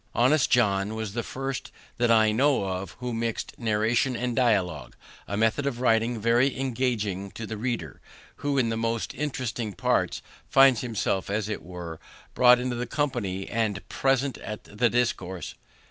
Honest John was the first that I know of who mix'd narration and dialogue; a method of writing very engaging to the reader, who in the most interesting parts finds himself, as it were, brought into the company and present at the discourse.